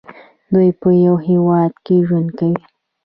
دوی په یو هیواد کې ژوند کوي.